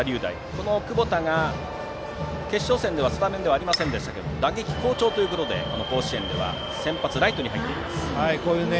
この窪田は決勝戦ではスタメンではありませんでしたが打撃好調でこの甲子園では先発ライトに入っています。